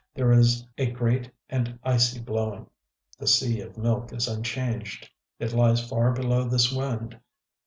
There is a great and icy blowing. The Sea of Milk is unchanged: it lies far below this wind.